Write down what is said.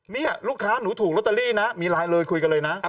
นี่ลูกค้าหนูถูกลอตเตอรี่นะมีไลน์เลยคุยกันเลยนะ